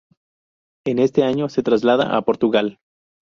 En este año se traslada a Portugal.